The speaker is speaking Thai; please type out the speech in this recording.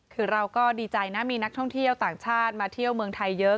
คือเราก็ดีใจนะมีนักท่องเที่ยวต่างชาติมาเที่ยวเมืองไทยเยอะ